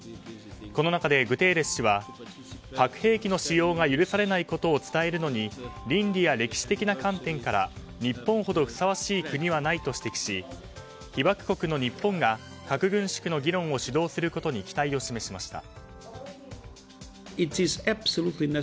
この中でグテーレス氏は核兵器の使用が許されないことを伝えるのに倫理や歴史的な観点から日本ほどふさわしい国はないと指摘し被爆国の日本が核軍縮の議論を主導することに期待を示しました。